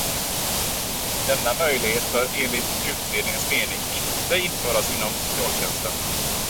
Denna möjlighet bör enligt utredningens mening inte införas inom socialtjänsten.